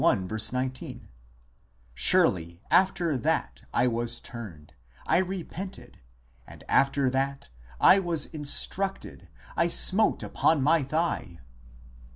19 :" Surely after that I was turned, I repented ; and after that I was instructed, I smote upon my thigh